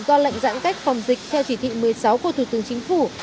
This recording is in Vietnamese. do lệnh giãn cách phòng dịch theo chỉ thị một mươi sáu của thủ tướng chính phủ